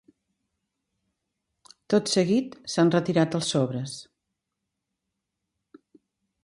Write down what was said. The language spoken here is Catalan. Tot seguit, s’han retirat els sobres.